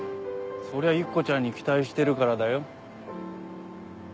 そりゃユキコちゃんに期待してるからだよ。